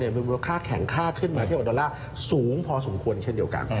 มีมูลค่าแข็งค่าขึ้นมาเทียบกับดอลลาร์สูงพอสมควรเช่นเดียวกัน